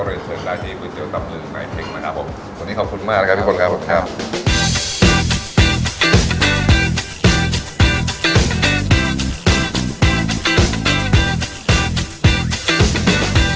เทศกาลเปิดไหมเทศกาลเปิด